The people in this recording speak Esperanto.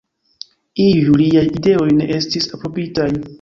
Iuj liaj ideoj ne estis aprobitaj.